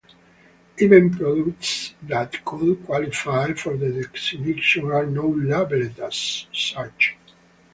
Even products that could qualify for the designation are not labeled as such.